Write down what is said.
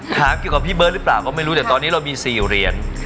ถามเกี่ยวกับพี่เบิร์ตก็ไม่รู้แต่ตอนนี้เรามี๔อ่าน